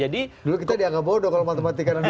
dulu kita dianggap bodoh kalau matematika dan uniknya